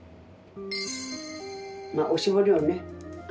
まあおしぼりをね